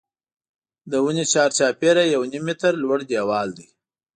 له ونې چار چاپېره یو نیم متر لوړ دیوال دی.